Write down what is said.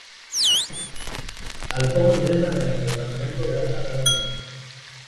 Al poco ingresa en el departamento de Alto Garona.